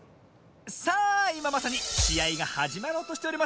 さあいままさにしあいがはじまろうとしております。